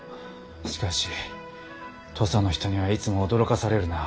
しかし土佐の人にはいつも驚かされるな。